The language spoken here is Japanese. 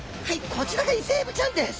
こちらがイセエビちゃんです！